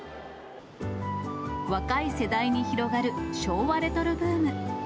若い世代に広がる昭和レトロブーム。